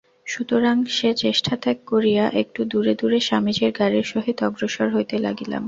সুতরাং সে চেষ্টা ত্যাগ করিয়া একটু দূরে দূরে স্বামীজীর গাড়ীর সহিত অগ্রসর হইতে লাগিলাম।